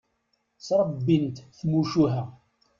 Ttrebbint tmucuha.